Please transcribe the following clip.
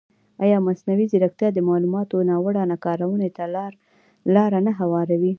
ایا مصنوعي ځیرکتیا د معلوماتو ناوړه کارونې ته لاره نه هواروي؟